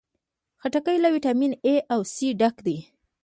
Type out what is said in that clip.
خټکی له ویټامین A او C ډکه ده.